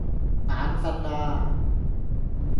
眼訓喇